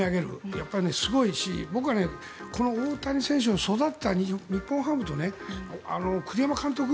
やっぱりすごいし僕は大谷選手の育った日本ハムと栗山監督。